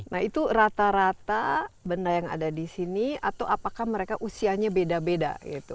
nah itu rata rata benda yang ada di sini atau apakah mereka usianya beda beda gitu